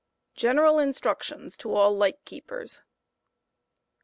' GENERAL INSTRUCTIONS TO ALL LIGHT KEEPERS.